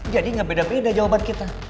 jadi gak beda beda jawaban kita